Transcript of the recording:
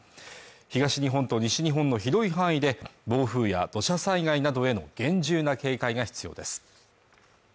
東日本と西日本の広い範囲で暴風や土砂災害などへの厳重な警戒が必要です